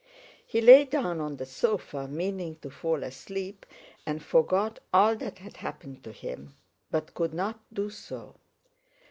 He lay down on the sofa meaning to fall asleep and forget all that had happened to him, but could not do so.